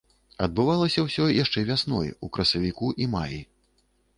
Адбывалася ўсё яшчэ вясной, у красавіку і маі.